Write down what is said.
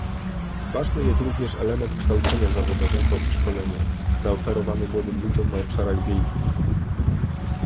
Ważny jest również element kształcenia zawodowego i szkolenia, zaoferowany młodym ludziom na obszarach wiejskich